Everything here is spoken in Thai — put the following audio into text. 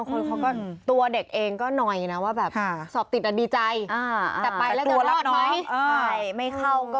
รุ่นฟื้นมันน่ารัก